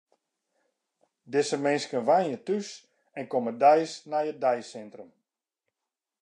Dizze minsken wenje thús en komme deis nei it deisintrum.